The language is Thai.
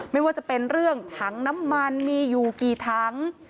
ไม่ว่าจะเป็นเรื่องถังน้ำมันมีอยู่กี่ถัง